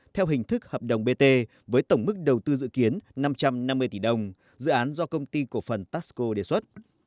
theo hình thức hợp đồng bt với tổng mức đầu tư dự kiến năm trăm năm mươi tỷ đồng dự án do công ty cổ phần taxco đề xuất